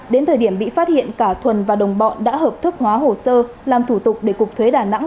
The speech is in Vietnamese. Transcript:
đến thời điểm bị phát hiện cả thuần và đồng bọn đã hợp thức hóa hồ sơ làm thủ tục để cục thuế đà nẵng